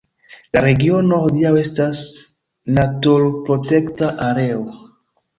La regiono hodiaŭ estas naturprotekta areo.